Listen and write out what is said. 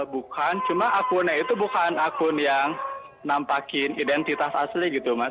bukan cuma akunnya itu bukan akun yang nampakin identitas asli gitu mas